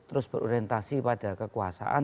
terus berorientasi pada kekuasaan